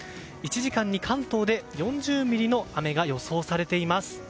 １時間に関東で４０ミリの雨が予想されています。